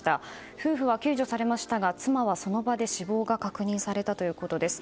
夫婦は救助されましたが妻はその場で死亡が確認されたということです。